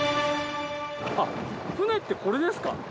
あっ船ってこれですか？